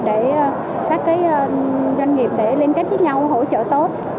để các doanh nghiệp để liên kết với nhau hỗ trợ tốt